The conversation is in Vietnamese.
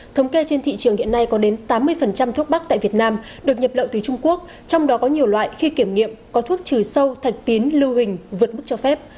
thống kê trên thị trường hiện nay có đến tám mươi thuốc bắc tại việt nam được nhập lậu từ trung quốc trong đó có nhiều loại khi kiểm nghiệm có thuốc trừ sâu thạch tín lưu hình vượt mức cho phép